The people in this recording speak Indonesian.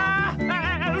kepala tanah lo